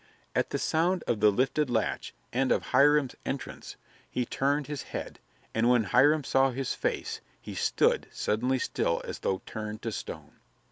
At the sound of the lifted latch and of Hiram's entrance he turned his head, and when Hiram saw his face he stood suddenly still as though turned to stone.